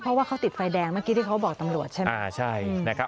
เพราะว่าเขาติดไฟแดงเมื่อกี้ที่เขาบอกตำรวจใช่ไหมอ่าใช่นะครับ